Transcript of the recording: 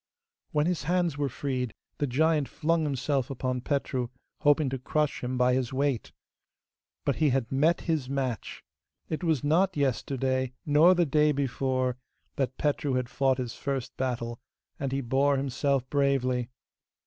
When his hands were freed, the giant flung himself upon Petru, hoping to crush him by his weight. But he had met his match. It was not yesterday, nor the day before, that Petru had fought his first battle, and he bore himself bravely.